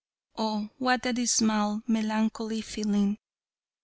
Oh, what a dismal, melancholy feeling.